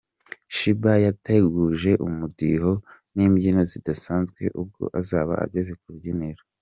Shebah yateguje umudiho n’imbyino zidasanzwe ubwo azaba ageze ku rubyiniro.